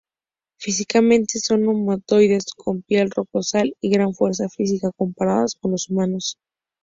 Físicamente, son humanoides con piel rocosa y gran fuerza física, comparados con los humanos.